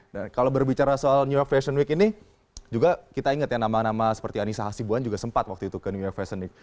dan kalau berbicara soal new york fashion week ini juga kita ingat ya nama nama seperti anissa hasibuan juga sempat waktu itu ke new york fashion week